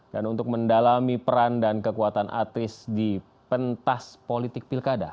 dan untuk mendalami peran dan kekuatan artis di pentas politik pilkada